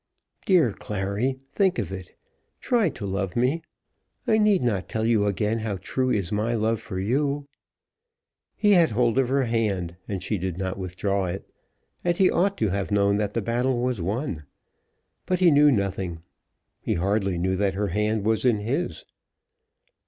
"Dear Clary, think of it. Try to love me. I need not tell you again how true is my love for you." He had hold of her hand, and she did not withdraw it, and he ought to have known that the battle was won. But he knew nothing. He hardly knew that her hand was in his.